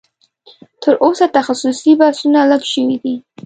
تر اوسه تخصصي بحثونه لږ شوي دي